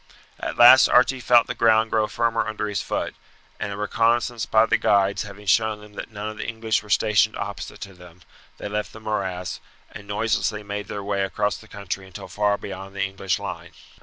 At last Archie felt the ground grow firmer under his foot, and a reconnaissance by the guides having shown them that none of the English were stationed opposite to them, they left the morass, and noiselessly made their way across the country until far beyond the English line.